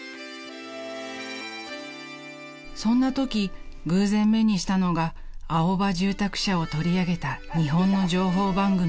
［そんなとき偶然目にしたのがアオバ住宅社を取り上げた日本の情報番組］